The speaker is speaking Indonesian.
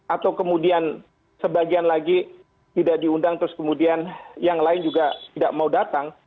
atau kemudian sebagian lagi tidak diundang terus kemudian yang lain juga tidak mau datang